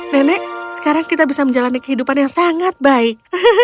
nenek sekarang kita bisa menjalani kehidupan yang sangat baik